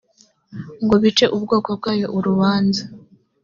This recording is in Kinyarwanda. ngo icire ubwoko bwayo urubanza